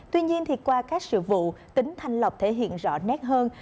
tuy nhiên qua các sự vụ tính thanh lọc thể hiện rõ nét hơn